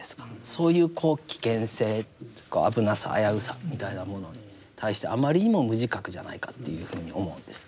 そういう危険性というか危なさ危うさみたいなものに対してあまりにも無自覚じゃないかというふうに思うんです。